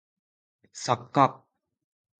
作家